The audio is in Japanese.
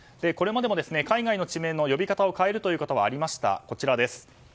これまでも海外の地名の呼び方を変えることはありました。